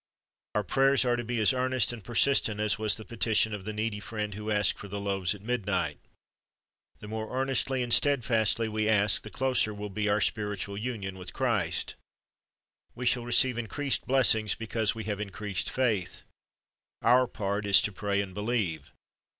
Our prayers are to be as earnest and persistent as was the petition of the needy friend who asked for the loaves at midnight. The more earnestly and steadfastly we ask, the closer will be our spiritual union with Christ. We shall receive increased blessings because we have increased faith. Our part is to pray and believe.